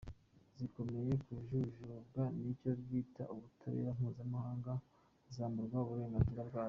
zikomeje kujujubwa n’icyo bita “Ubutabera mpuzamahanga” zamburwa uburenganzira bwazo.